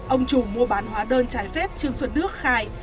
ông chủ mua bán hóa đơn trái phép trương xuân đức khai